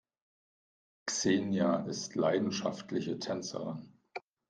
Xenia ist leidenschaftliche Tänzerin.